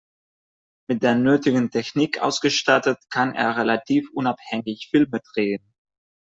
Mit der nötigen Technik ausgestattet, kann er relativ unabhängig Filme drehen.